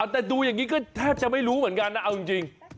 แต่ดูอย่างนี้ก็แทบจะไม่รู้เหมือนกันนะเอาจริง